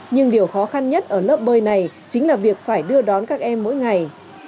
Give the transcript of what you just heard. nhưng điều khó khăn nhất ở lớp bơi này chính là việc phải đưa đón các em mỗi ngày